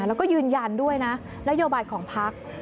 แล้วก็ยืนยันด้วยนะระยะบาดของภักดิ์